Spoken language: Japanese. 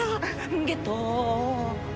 ゲットー！